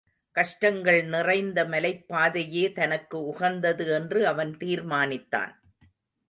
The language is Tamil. கஷ்டங்கள் நிறைந்த மலைப்பாதையே தனக்கு உகந்தது என்று அவன் தீர்மானித்தான்.